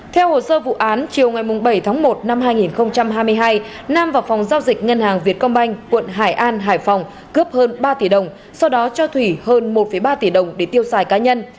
theo hồ sơ vụ án chiều ngày bảy tháng một năm hai nghìn hai mươi hai nam vào phòng giao dịch ngân hàng việt công banh quận hải an hải phòng cướp hơn ba tỷ đồng sau đó cho thủy hơn một ba tỷ đồng để tiêu xài cá nhân